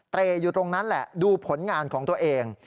อยู่ตรงนั้นแหละดูผลงานของตัวเอง